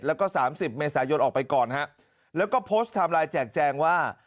แล้วก็สามสิบเมษายนออกไปก่อนฮะแล้วก็โพสต์ไทม์ไลน์แจกแจงว่า